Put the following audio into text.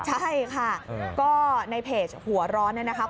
ใช่ค่ะก็ในเพจหัวร้อนเนี่ยนะครับ